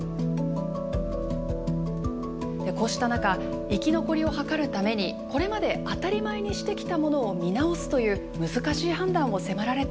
こうした中生き残りを図るためにこれまで当たり前にしてきたものを見直すという難しい判断を迫られている首長もいるんです。